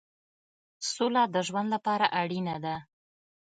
سوله د ژوند لپاره اړینه ده.